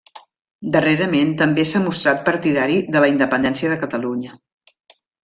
Darrerament també s'ha mostrat partidari de la independència de Catalunya.